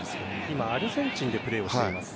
今、アルゼンチンでプレーをしています。